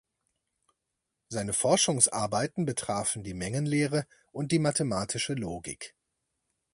Seine Forschungsarbeiten betrafen die Mengenlehre und die Mathematische Logik.